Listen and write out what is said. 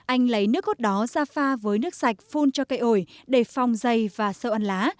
anh lấy nước gốt đó ra pha với nước sạch phun cho cây ổi để phong dây và sâu ăn lá